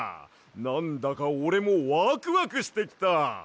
なんだかおれもワクワクしてきた！